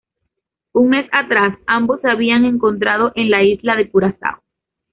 Un mes atrás, ambos se habían encontrado en la isla de Curazao.